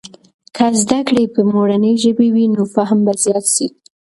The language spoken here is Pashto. که زده کړې په مورنۍ ژبې وي، نو فهم به زيات سي.